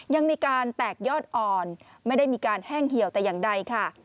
ยังมีการแตกยอดอ่อนไม่ได้มีการแห้งเหี่ยวแต่อย่างใดค่ะ